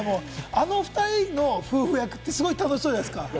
あの２人の夫婦役ってすごく楽しそうじゃないですか？